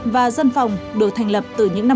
và dân phòng được thành lập từ những năm hai nghìn một